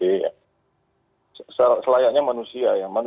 yang selayaknya manusia ya